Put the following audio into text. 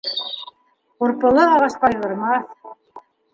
Ҡурпылы ағас ҡайғырмаҫ.